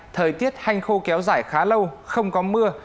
thời tiết hanh khô kéo dài khá lâu không có mưa